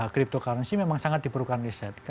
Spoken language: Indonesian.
cryptocurrency memang sangat diperlukan riset